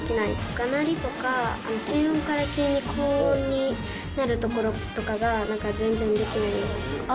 がなりとか、低音から急に高音になるところとかが全然できないので。